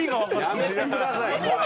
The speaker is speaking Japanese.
やめてください。